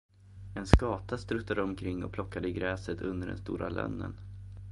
En skata struttade omkring och plockade i gräset under den stora lönnen.